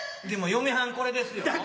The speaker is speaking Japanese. でも嫁はんこれですよ。